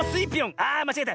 あまちがえた。